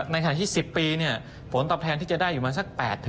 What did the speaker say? ในขณะที่๑๐ปีผลตอบแทนที่จะได้อยู่มา๘๑๘